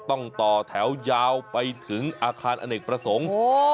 ต่อแถวยาวไปถึงอาคารอเนกประสงค์